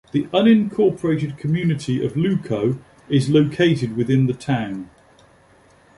The unincorporated community of Luco is located within the town.